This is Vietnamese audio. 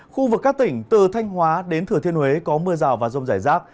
khu vực các tỉnh từ thanh hóa đến thừa thiên huế có mưa rào và rông rải rác